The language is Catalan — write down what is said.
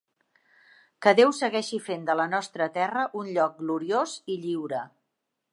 Que Déu segueixi fent de la nostra terra un lloc gloriós i lliure!